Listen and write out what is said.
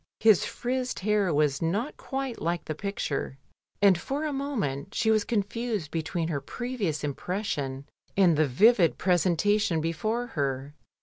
His frizzed hair was not quite like the picture, and for a moment she was confused between her previous impression and the vivid presentation before her.